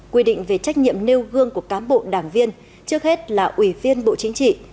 quy định về trách nhiệm nêu gương của cán bộ đảng viên trước hết là ủy viên bộ chính trị